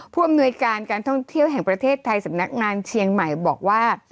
ผู้อำนวยการการท่องเที่ยวแห่งประเทศไทยสำนักงานเชียงใหม่บอกว่า